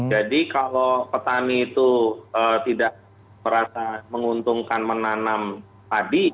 jadi kalau petani itu tidak merasa menguntungkan menanam padi